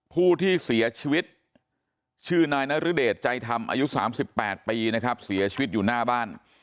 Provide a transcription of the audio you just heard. ผู้ที่เสียชีวิตชื่อนายนรเดชใจธรรมอายุ๓๘ปีนะครับเสียชีวิตอยู่หน้าบ้าน